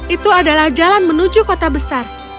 itu adalah jalan menuju kota besar